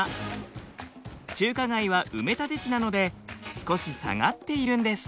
中華街は埋め立て地なので少し下がっているんです。